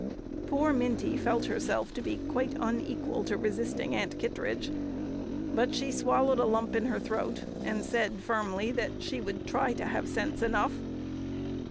Poor Minty felt herself to be quite unequal to resisting Aunt Kittredge, but she swallowed a lump in her throat and said firmly that she would try to have sense enough.